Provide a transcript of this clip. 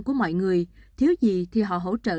của mọi người thiếu gì thì họ hỗ trợ